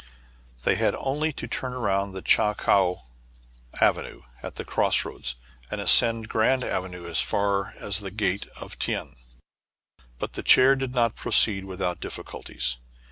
They had only to turn around Cha Coua Avenue at the cross roads, and ascend Grand Avenue as far as the Gate of Tien. But the chair did not proceed without difficul ties.